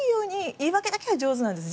言い訳だけは得意なんです。